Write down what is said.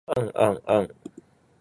あんあんあ ｎ